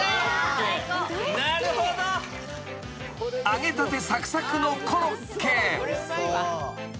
［揚げたてさくさくのコロッケ］